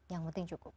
yang penting cukup